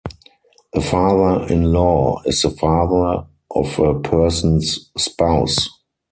A father-in-law is the father of a person's spouse.